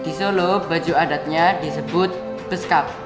di solo baju adatnya disebut beskap